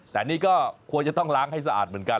แต่นี่ก็ควรจะต้องล้างให้สะอาดเหมือนกัน